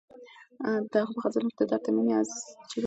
د هغه په غزلونو کې د درد او مېنې عجیبه امتزاج شته.